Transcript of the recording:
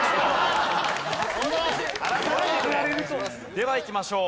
ではいきましょう。